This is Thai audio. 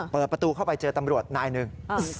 เปิดประตูเข้าไปเจอตำรวจนายหนึ่ง